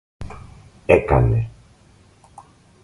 έκανε